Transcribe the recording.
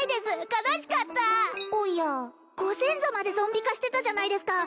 悲しかったおやご先祖までゾンビ化してたじゃないですか